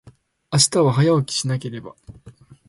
明日は、早起きしなければ。